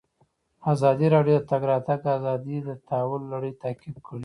ازادي راډیو د د تګ راتګ ازادي د تحول لړۍ تعقیب کړې.